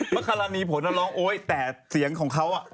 มคลารีโผลต้องร้องโ๋งโอ้ยแต่เสียงของเขาอ่ะ